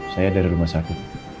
saya dari rumah sakit